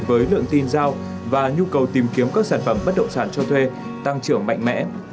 với lượng tin giao và nhu cầu tìm kiếm các sản phẩm bất động sản cho thuê tăng trưởng mạnh mẽ